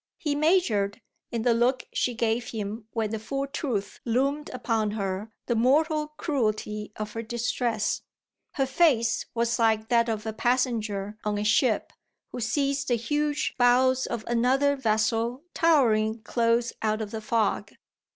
He measured, in the look she gave him when the full truth loomed upon her, the mortal cruelty of her distress; her face was like that of a passenger on a ship who sees the huge bows of another vessel towering close out of the fog.